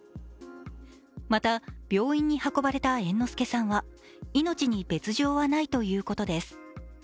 また、病院に運ばれた猿之助さんは命に別状はないということです。